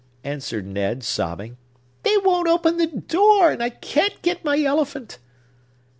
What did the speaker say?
answered Ned, sobbing. "They won't open the door; and I can't get my elephant!"